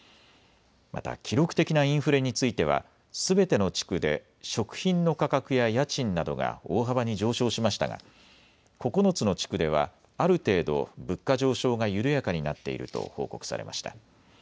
また記録的なインフレについてはすべての地区で食品の価格や家賃などが大幅に上昇しましたが９つの地区ではある程度、物価上昇が緩やかになっていると報告されました。